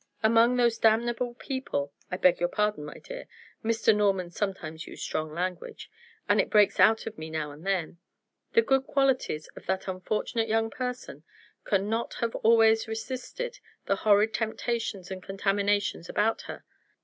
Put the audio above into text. Among those damnable people I beg your pardon, my dear; Mr. Norman sometimes used strong language, and it breaks out of me now and then the good qualities of that unfortunate young person can not have always resisted the horrid temptations and contaminations about her.